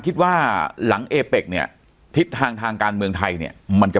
คิดว่าหลังเอเป็กเนี่ยทิศทางทางการเมืองไทยเนี่ยมันจะ